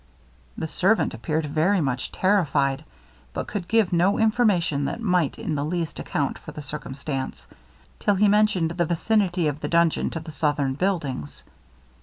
The servant appeared very much terrified, but could give no information that might in the least account for the circumstance, till he mentioned the vicinity of the dungeon to the southern buildings.